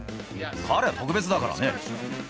彼は特別だからね。